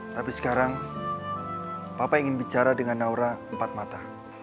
tapi sekarang papa ingin bicara dengan naura empat mata